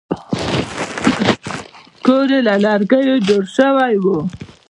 کور یې له لرګیو جوړ شوی و.